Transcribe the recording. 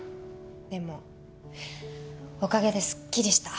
でもおかげですっきりした。